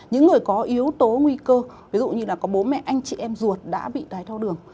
những người có yếu tố nguy cơ ví dụ như là có bố mẹ anh chị em ruột đã bị đáy thao đường